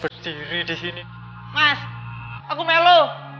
mas aku melu